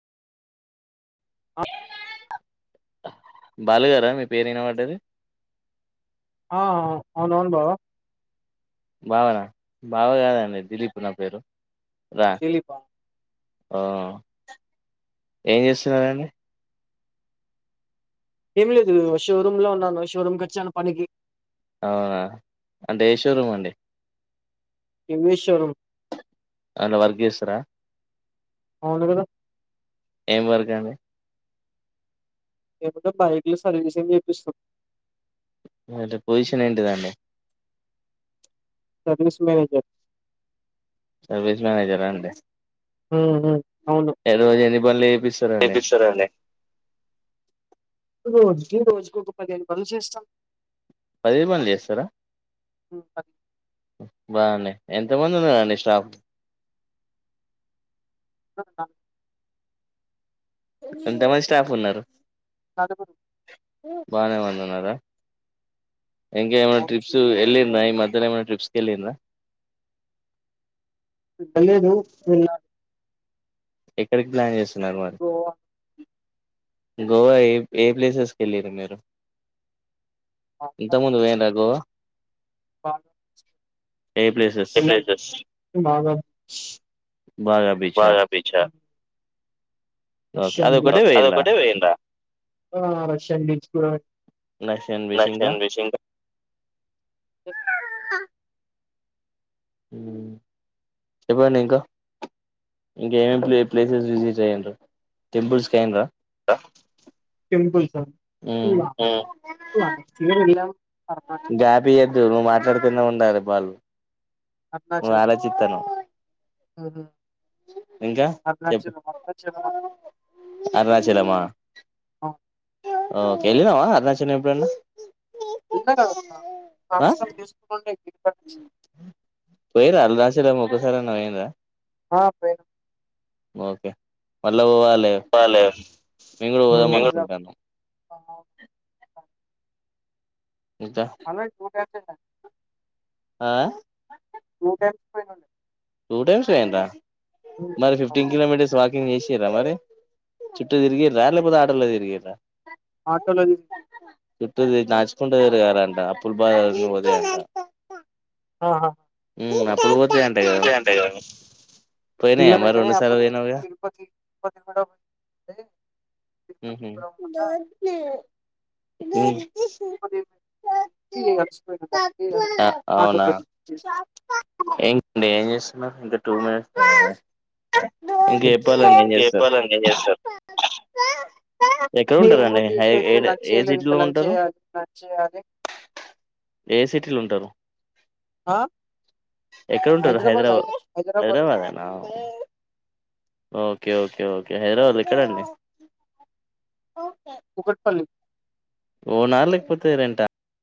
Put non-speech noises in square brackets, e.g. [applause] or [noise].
ఆ బాలుగారా మీ పేరు వినా పడ్డాది ఆ అవును అవును బావా బావనా బావగదండి దిలీప్ నా పేరు దీలిప్ ఆ ఆ ఏం చేస్తున్నా రండి ఏం లేదు షోరూమ్ లో ఉన్నాను షోరూమ్ కి వచ్చాను పనికి అవునా అంటే ఏ షోరూమ్ అండి ఇంగ్లీష్ షోరూమ్ దానిలో వర్క్ చేస్తారా అవును కదా ఏం వరగా అండి ఏమింటే బైక్లు సర్వీసింగ్ చేపిస్తాం అంటే పొజీషన్ ఏంటది అండి సేల్స్ మేనేజర్ సర్వీస్ మేనేజరా అండి ఉమ్ ఉమ్ అవును ఎ రోజు ఎన్ని బండ్లు వేపిస్తారండి చేపిస్తారండి రోజుకి రోజుకి ఒక పదిహేను బండ్లు చేస్తాం పదిహేను బండ్లు చేస్తారా హ్మ్. బాగునాయి ఎంతమంది ఉన్నారండి స్టాఫ్ ఆ ఎంతమంది స్టాఫ్ ఉన్నారు సాద గురు బాగానే మందిన్నారా ఇంకా ఏమైనా అవును. ట్రిప్స్ వెళ్ళి ఈ మధ్య ఏం అన్న ట్రిప్స్ కి వెళ్ళిరా వెళదు వెన్నా ఎక్కడికి ప్లాన్ చేస్తున్నారు మరి గోవా గోవా ఏ ఏ ప్లేసెస్కి వెళ్లీరు మీరు ఆంధ్ర, ఇంత ముందు పోయిండ్రా గోవా ఏ ప్లేసెస్ [inaudible] భాగా బీచ్ ఆ అది పోయిండ్రా ఒక్కటె పోయింద్ర ఆ రష్యన్ కూడా రష్యన్ బీచ్ ఇంకా రష్యన్ బీచ్ చెప్పండి ఇంకా ఇంక ఏమేమి ప్లేసెస్ విజిట్ అయ్యనరు టెంపుల్స్ కి అయ్యనరా టెంపుల్ కా ఆ వెళ్ళాం అరుణాచల్ గాపియద్దు నువ్వు మాట్లాడుతూనే ఉండాలి వాళ్ళు అరుణాచలం ఆలోచితనా చెప్పు అరుణాచలం అరుణాచలం మన అరుణాచలమా ఓ కెళ్ళినవా అరుణాచలం ఎప్పుడన్నా ఉన్నా కద అం తీసుకో పొండి పోయెర్ర అరుణాచలామ్ ఓక్కసరన్న పోయరా [inaudible] ఓకే మళ్ళ పోవాలి బాలే ఇప్పుడు పోదాం అనుకుంటానా ఇంకా అలా టూ టైమ్స్ వెళ్ళా [inaudible] టూ టైమ్స్ అయిందా మరి ఫిఫ్టీన్ కిలోమీటర్స్ వాకి టిఫిన్ చేసిరా మరి చుట్టూ తిరిగిరా లేకపోతే ఆటోలో తిరిగిరా ఆటోలోది చుట్టూ నడుచుకుంటూ తీరగలట అప్పుల బాదల అన్ని పోతాయంట ఆ మ్మ్ అప్పులు పోతాయంట కదా అంతే గా పోయినాయా మరి పిల్లలేగానీ రెండు సార్లు అప్పుడు పోయినావుగా తిరుపతి తిరుపతి కూడా తిరుపతి మ్మ్ కూడా పోతా మ్మ్ తిరుపతి అలసిపోయిన దానికి అవునా ఆటోలో చేసా ఏవండి ఏం చేస్తున్నారు ఇంకా టూ మినిట్స్ ఇంకా చెప్పాలండి ఏం చేస్తారు చెప్పాలంటే ఏం చేస్తారు ఎక్కడ ఏ ఏ ఉంటారండి ముందు ఇంకా ఏ లంచ్ ఏ చేయలేదు ఇకా సిటీలో లంచ్ ఉంటారు చేయ్యాలి లంచ్ చేయ్యాలి ఏ సిటీలు ఉంటారు? ఆ ఎక్కడ ఉంటారు హైదరాబాద్ హైదరాబా హైద- హైదరాబాద్ హైదరాబాదే న ఓకే ఓకే ఓకే హైదరాబాద్ ఎక్కడండి? కుకట్పల్లి ఓన్ నా లేకపోతే రెంట?